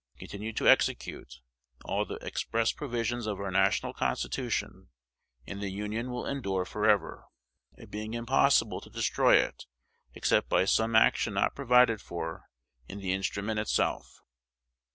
Continue to execute all the express provisions of our national Constitution, and the Union will endure forever; it being impossible to destroy it, except by some action not provided for in the instrument itself.